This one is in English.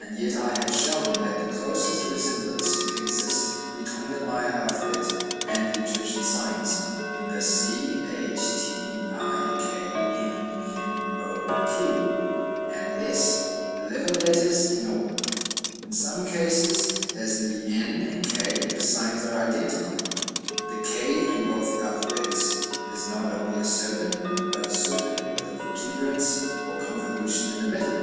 And yet I have shown that the closest resemblances exist between the Maya alphabet and the Egyptian signs in the c, h, t, i, k, m, n, o, q, and s eleven letters in all; in some cases, as in the n and k, the signs are identical; the k, in both alphabets, is not only a serpent, but a serpent with a protuberance or convolution in the middle!